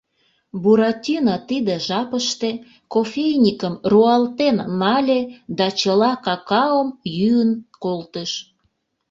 Буратино тиде жапыште кофейникым руалтен нале да чыла какаом йӱын колтыш.